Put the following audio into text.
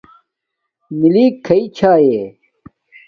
مِلیک کھݳئی چھݳئݺ؟